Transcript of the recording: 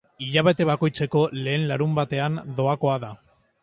Hilabete bakoitzeko lehen larunbatean doakoa da.